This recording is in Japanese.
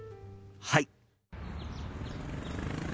はい！